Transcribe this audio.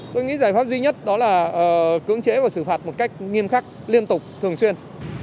tôi nghĩ giải pháp duy nhất đó là cưỡng chế và xử phạt một cách nghiêm khắc liên tục thường xuyên